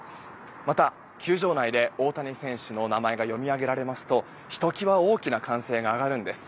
また、球場内で大谷選手の名前が読み上げられますとひときわ大きな歓声が上がるんです。